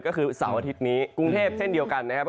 ก็คือเสาร์อาทิตย์นี้กรุงเทพเช่นเดียวกันนะครับ